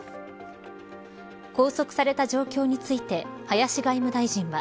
拘束された状況について林外務大臣は。